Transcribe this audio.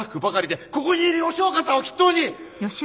ここにいる吉岡さんを筆頭に！